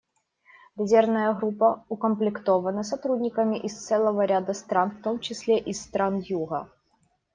Резервная группа укомплектована сотрудниками из целого ряда стран, в том числе из стран Юга.